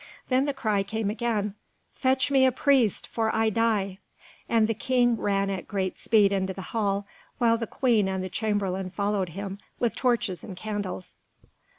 Then the cry came again: "Fetch me a priest, for I die!" and the King ran at great speed into the hall, while the Queen and the Chamberlain followed him with torches and candles.